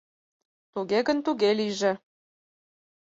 Туге гын туге лийже.